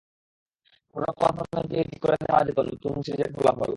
পুরোনো পারফরম্যান্স দিয়েই ঠিক করে নেওয়া যেত নতুন নতুন সিরিজের ফলাফল।